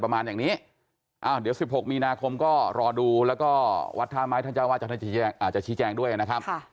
เพราะว่าข่าวมันมีความน่าสงสัยแล้วมันไม่มีเหตุมีผลอย่างที่ว่า